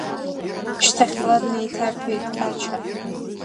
Шьҭахьла днеиҭаԥеит Ача.